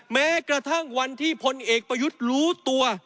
แม้กระทั่งวันที่พลเอกประยุทธ์รู้ตัว